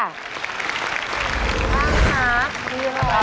ร้านหาดีหรอ